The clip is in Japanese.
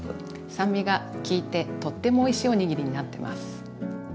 酸味がきいてとってもおいしいおにぎりになってます。